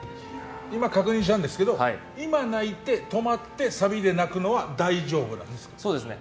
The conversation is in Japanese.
今、確認したんですけど今、泣いて、止まってサビで泣くのは大丈夫なんですね。